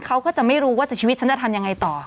เขาก็จะไม่รู้ว่าชีวิตฉันจะทำยังไงต่อ